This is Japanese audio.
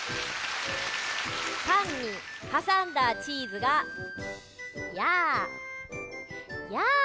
パンにはさんだチーズが「やあ」